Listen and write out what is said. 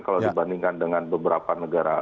kalau dibandingkan dengan beberapa negara